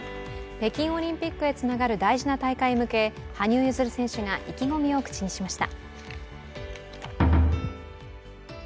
北京オリンピックへつながる大事な大会へ向け、羽生結弦選手が意気込みを口にしました。